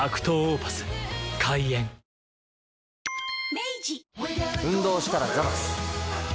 明治運動したらザバス。